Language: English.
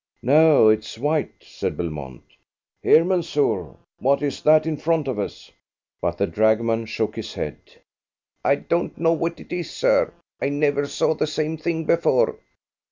"No, it's white," said Belmont. "Here, Mansoor, what is that in front of us?" But the dragoman shook his head. "I don't know what it is, sir. I never saw the same thing before."